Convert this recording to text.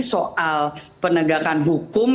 soal penegakan hukum